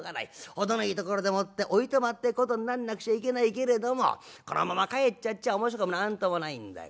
程のいいところでもっておいとまってことになんなくちゃいけないけれどもこのまま帰っちゃっちゃ面白くも何ともないんだよ。